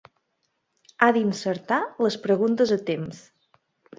Ha d'insertar les preguntes a temps.